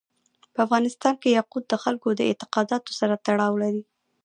په افغانستان کې یاقوت د خلکو د اعتقاداتو سره تړاو لري.